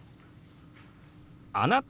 「あなた？」。